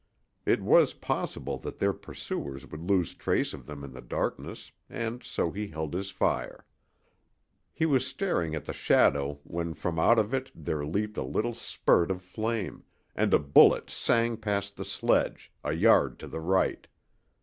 It was possible that their pursuers would lose trace of them in the darkness, and so he held his fire. He was staring at the shadow when from out of it there leaped a little spurt of flame, and a bullet sang past the sledge, a yard to the right.